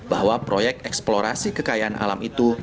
bahwa proyek eksplorasi kekayaan alam itu